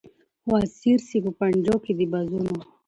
خو اسیر سي په پنجو کي د بازانو